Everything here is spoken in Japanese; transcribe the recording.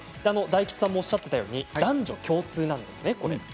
大吉さんもおっしゃっていたように男女共通なんです。